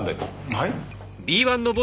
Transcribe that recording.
はい？